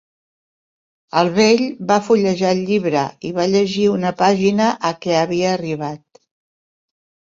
El vell va fullejar el llibre i va llegir una pàgina a què havia arribat.